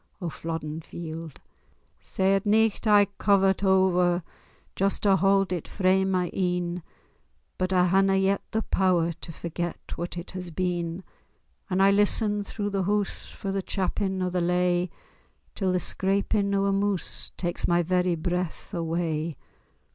O Flodden Field! Sae at nicht I cover't o'er, Just to haud it frae my een, But I haena yet the pow'r To forget what it has been; And I listen through the hoose For the chappin o' the lay, Till the scrapin' o' a moose Tak's my very braith away.